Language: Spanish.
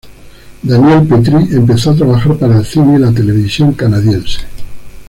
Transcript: Daniel Petrie empezó a trabajar para el cine y la televisión canadiense.